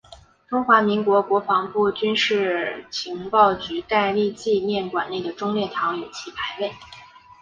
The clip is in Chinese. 中华民国国防部军事情报局戴笠纪念馆内的忠烈堂有其牌位。